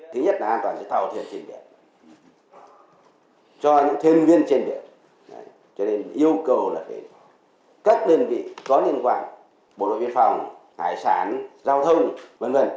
cho nên yêu cầu là các đơn vị có liên quan bộ đội viên phòng hải sản giao thông v v